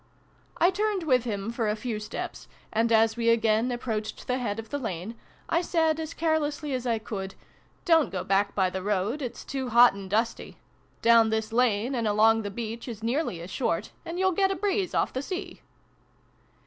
I turned with him, for a few steps, and as we again approached the head of the lane, I in] STREAKS OF DAWN. 49 said, as carelessly as I could, " Don't go back by the road. It's too hot and dusty. Down this lane, and along the beach, is nearly as short ; and you'll get a breeze off the sea."